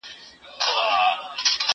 زه به سبا مړۍ خورم؟